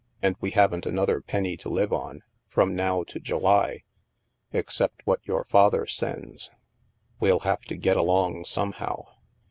And we haven't another penny to live on, from now to July, except what your father sends." " We'll have to get along somehow."